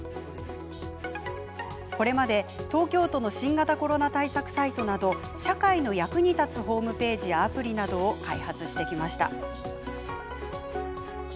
これまで、東京都の新型コロナ対策サイトなど社会の役に立つホームページやアプリなどを開発してきました。